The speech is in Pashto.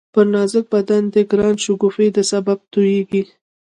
پر نازک بدن دی گرانی شگوفې د سېب تویېږی